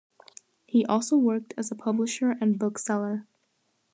He also worked as a publisher and bookseller.